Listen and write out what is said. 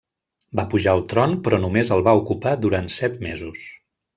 Va pujar al tron però només el va ocupar durant set mesos.